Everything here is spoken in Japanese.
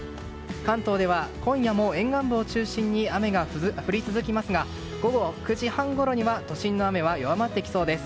関東では今夜も沿岸部を中心に雨が降り続きますが午後９時半ごろには都心の雨は弱まってきそうです。